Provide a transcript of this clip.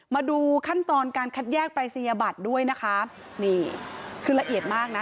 มาดูขั้นตอนการคัดแยกปรายศนียบัตรด้วยนะคะนี่คือละเอียดมากนะ